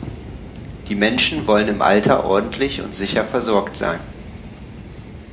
Die Menschen wollen im Alter ordentlich und sicher versorgt sein.